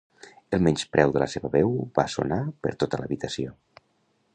El menyspreu de la seva veu va sonar per tota l'habitació.